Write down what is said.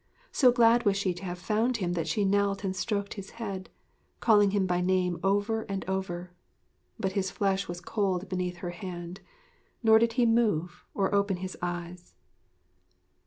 So glad was she to have found him that she knelt and stroked his head, calling him by name over and over. But his flesh was cold beneath her hand, nor did he move or open his eyes.